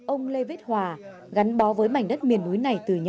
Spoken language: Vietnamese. ông lê viết hòa gắn bó với mảnh đất miền núi này từ nhỏ